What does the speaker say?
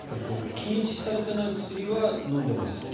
禁止されていない薬は飲んでます